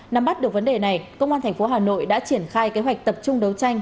nắm bắt được vấn đề này công an tp hà nội đã triển khai kế hoạch tập trung đấu tranh